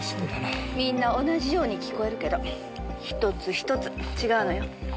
みんな同じように聞こえるけど１つ１つ違うのよ。